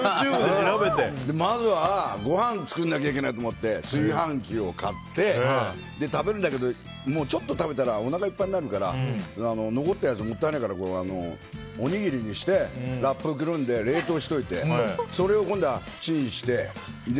まずは、ご飯を作らなきゃいけないと思って炊飯器を買って食べるんだけどちょっと食べたらおなかいっぱいになるから残ったやつ、もったいないからおにぎりにしてラップでくるんで冷凍しておいてすごいですね。